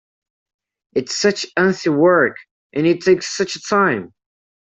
It's such uphill work, and it takes such a time!